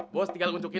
jadi kan gini nih